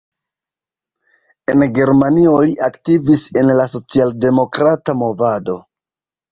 En Germanio li aktivis en la socialdemokrata movado.